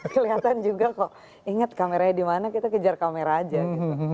kelihatan juga kok inget kameranya di mana kita kejar kamera aja gitu